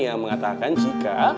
yang mengatakan jika